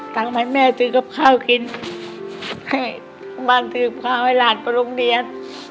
ตั้งไหมแม่ซื้อกับข้าวกินบ้านซื้อข้าวให้หลานประลงเรียน